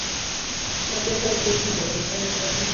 Napenda jinsi anavyofanya kazi